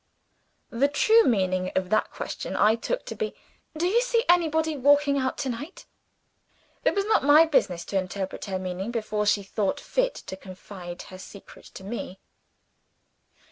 The true meaning of that question I took to be, "Do you see anybody walking out to night?" It was not my business to interpret her meaning, before she had thought fit to confide her secret to me.